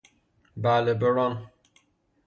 بله بران